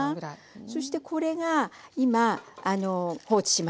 そしてこれが今放置しました。